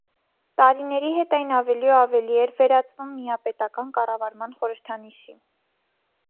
Տարիների հետ այն ավելի ու ավելի էր վերածվում միապետական կառավարման խորհրդանիշի։